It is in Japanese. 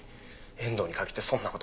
遠藤に限ってそんな事。